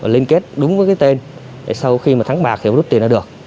liên kết đúng với tên sau khi thắng bạc thì rút tiền là được